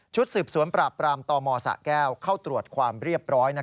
สืบสวนปราบปรามตมสะแก้วเข้าตรวจความเรียบร้อย